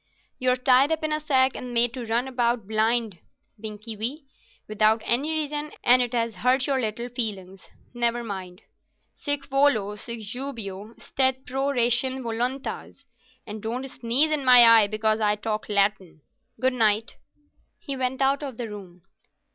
"You're tied up in a sack and made to run about blind, Binkie wee, without any reason, and it has hurt your little feelings. Never mind. Sic volo, sic jubeo, stet pro ratione voluntas, and don't sneeze in my eye because I talk Latin. Good night." He went out of the room.